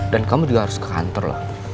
dan kamu juga harus ke kantor loh